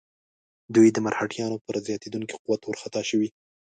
دوی د مرهټیانو پر زیاتېدونکي قوت وارخطا شوي.